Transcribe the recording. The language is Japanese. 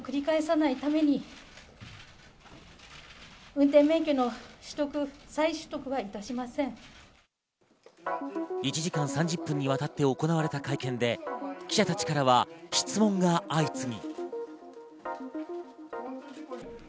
無免許運転をしたとして、１時間３０分にわたって行われた会見で、記者たちからは質問が相次ぎ。